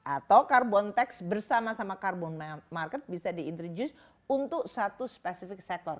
atau carbon tax bersama sama carbon market bisa di introduce untuk satu spesifik sektor